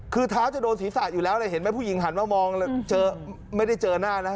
คือเท้าจะโดนศีรษะอยู่แล้วเลยเห็นไหมผู้หญิงหันมามองไม่ได้เจอหน้านะ